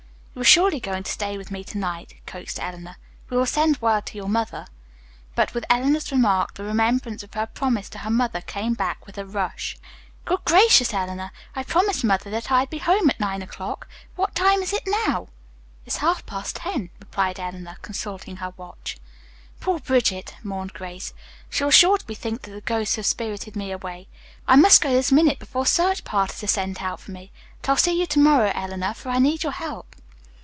"You are surely going to stay with me to night," coaxed Eleanor. "We will send word to your mother." But with Eleanor's remark the remembrance of her promise to her mother came back with a rush. "Good gracious, Eleanor! I promised mother that I'd be home at nine o'clock. What time is it now?" "It's half past ten," replied Eleanor, consulting her watch. "Poor Bridget," mourned Grace. "She will be sure to think that the ghosts have spirited me away. I must go this minute, before search parties are sent out for me. But I'll see you to morrow Eleanor, for I need your help."